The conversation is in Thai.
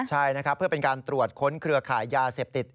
ใช่นะครับเพื่อเป็นการตรวจค้นเครือข่ายยาเสพติด